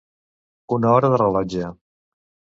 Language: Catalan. Una hora de rellotge.